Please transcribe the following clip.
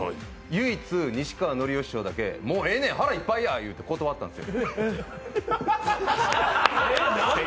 唯一西川のりお師匠だけ、もうええねん、腹いっぱいなんやって断ったんです。